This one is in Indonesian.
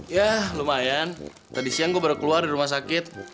ya lumayan tadi siang gue baru keluar dari rumah sakit